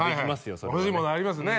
それはね欲しいものありますね